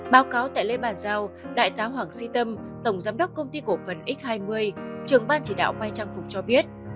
báo cáo tại lễ bàn giao đại tá hoàng duy tâm tổng giám đốc công ty cổ phần x hai mươi trường ban chỉ đạo may trang phục cho biết